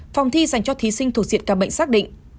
phòng thi dành cho thí sinh thuộc diện ca bệnh xác định